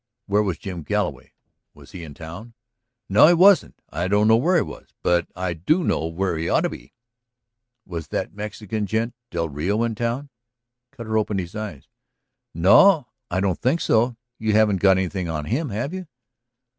"Where was Jim Galloway? Was he in town?" "No, he wasn't. I don't know where he was. But I do know where he ought to be. ..." "Was that Mexican gent, del Rio, in town?" Cutter opened his eyes. "No. I don't think so. You haven't got anything on him, have you?"